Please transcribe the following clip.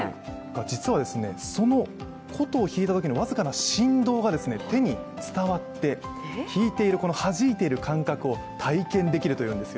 実はその琴を弾いたときの僅かな振動が手に伝わって弾いている、はじいている感覚を体験できるというんですよ。